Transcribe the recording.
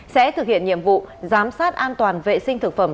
sẽ thực hiện nhiệm vụ giám sát an toàn vệ sinh thực phẩm